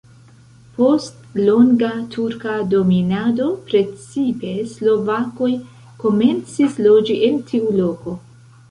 Post longa turka dominado precipe slovakoj komencis loĝi en tiu loko.